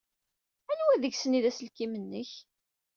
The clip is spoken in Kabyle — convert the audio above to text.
Anwa deg-sen ay d aselkim-nnek?